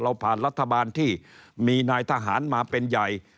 ผ่านรัฐบาลที่มีนายทหารมาเป็นใหญ่